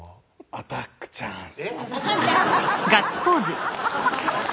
アタックチャンス？